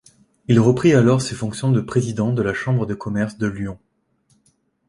Il reprit alors ses fonctions de président de la Chambre de commerce de Lyon.